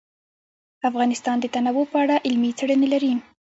افغانستان د تنوع په اړه علمي څېړنې لري.